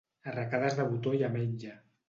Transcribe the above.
Arracades de botó i ametlla.